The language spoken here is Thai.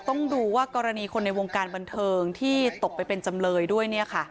ต้องดูว่ากรณีคนในวงการบันเทิงที่ตกไปเป็นจำเลยด้วย